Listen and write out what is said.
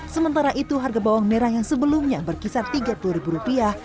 sementara itu harga bawang merah yang sebelumnya berkisar tiga puluh ribu rupiah